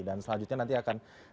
dan selanjutnya nanti akan